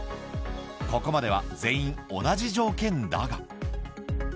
ここまでは全員同じ条件だが。